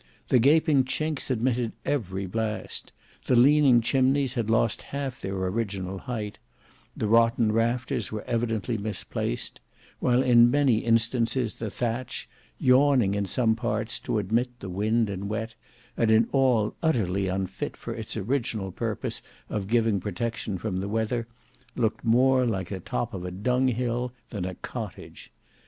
The gaping chinks admitted every blast; the leaning chimneys had lost half their original height; the rotten rafters were evidently misplaced; while in many instances the thatch, yawning in some parts to admit the wind and wet, and in all utterly unfit for its original purpose of giving protection from the weather, looked more like the top of a dunghill than a cottage.